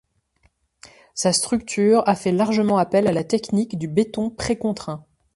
Sa structure a fait largement appel à la technique du béton précontraint.